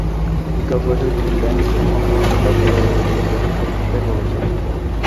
বিকল্প হিসেবে তিনি ব্যাংকক, হংকং কিংবা দুবাইয়ে গিয়ে বৈঠক করতে বলছেন।